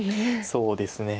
そうですね。